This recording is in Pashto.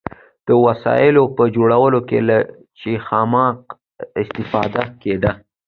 د وسایلو په جوړولو کې له چخماق استفاده کیده.